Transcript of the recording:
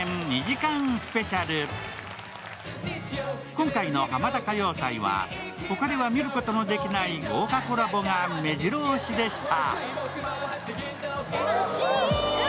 今回のハマダ歌謡祭は、他では見ることのできない豪華コラボがめじろ押しでした。